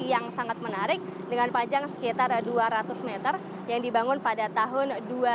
yang sangat menarik dengan panjang sekitar dua ratus meter yang dibangun pada tahun dua ribu dua